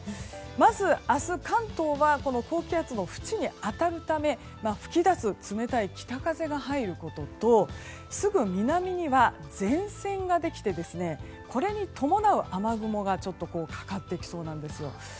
まず明日、関東は高気圧のふちに当たるため吹き出す冷たい北風が入ることとすぐ南には前線ができてこれに伴う雨雲がかかってきそうなんですよ。